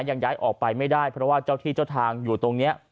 ยังย้ายออกไปไม่ได้เพราะว่าเจ้าที่เจ้าทางอยู่ตรงนี้